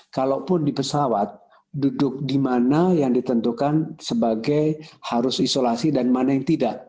kalaupun di pesawat duduk di mana yang ditentukan sebagai harus isolasi dan mana yang tidak